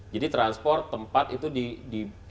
jadi transport tempat itu di